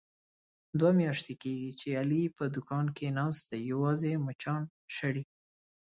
دوه میاشتې کېږي، چې علي په دوکان کې ناست دی یوازې مچان شړي.